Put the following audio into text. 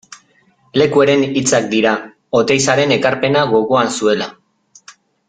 Lekueren hitzak dira, Oteizaren ekarpena gogoan zuela.